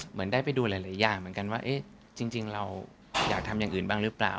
เหมือนได้ไปดูหลายอย่างเหมือนกันว่าจริงเราอยากทำอย่างอื่นบ้างหรือเปล่า